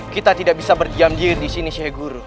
kita tidak bisa berdiam diam disini syekh guru